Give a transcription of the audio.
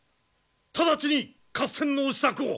直ちに合戦のお支度を！